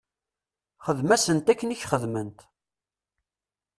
Xdem-asent akken i k-xedment.